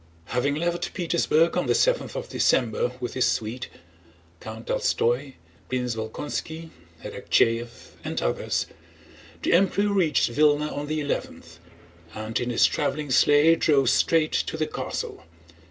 Having left Petersburg on the seventh of December with his suite—Count Tolstóy, Prince Volkónski, Arakchéev, and others—the Emperor reached Vílna on the eleventh, and in his traveling sleigh drove straight to the castle.